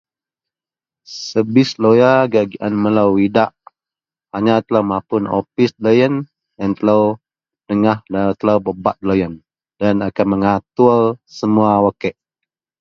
Sevis loya gak gian melo idak hanya telo mapun opis loyen iyen telo pedengah telo pebak loyen mengatur semua wak kek.